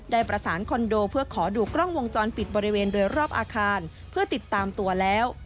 ได้ประสานคอนโดเพื่อขอดูกล้องวงจรปิดบริเวณโดยรอบอาคารเพื่อติดตามตัวแล้ว